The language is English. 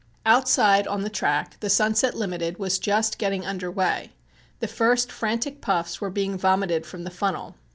Outside on the track "The Sunset Limited" was just getting under way. The first frantic puffs were being vomited from the funnel.